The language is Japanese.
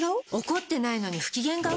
怒ってないのに不機嫌顔？